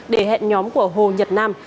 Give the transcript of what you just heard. để hẹn nhóm của hồ nhật nam